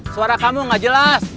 suara kamu gak jelas